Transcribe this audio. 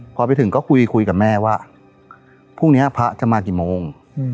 พอไปถึงก็คุยคุยกับแม่ว่าพรุ่งนี้พระจะมากี่โมง